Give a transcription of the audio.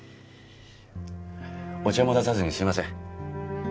お茶も出さずにすいません